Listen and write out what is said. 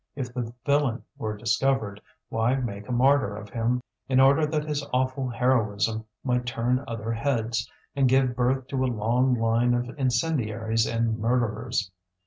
If the villain were discovered, why make a martyr of him in order that his awful heroism might turn other heads, and give birth to a long line of incendiaries and murderers?